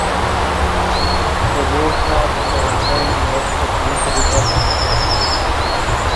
De gran trascendencia para las islas de Señorío serán las Cortes de Cádiz.